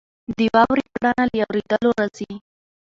د واورې کړنه له اورېدلو راځي.